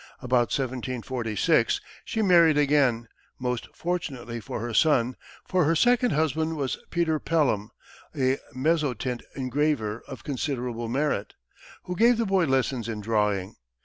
About 1746 she married again, most fortunately for her son, for her second husband was Peter Pelham, a mezzotint engraver of considerable merit, who gave the boy lessons in drawing.